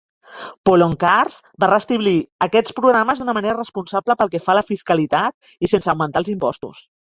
Poloncarz va restablir aquests programes d'una manera responsable pel que fa a la fiscalitat i sense augmentar els impostos.